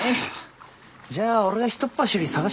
じゃあ俺がひとっ走り捜してくらあ。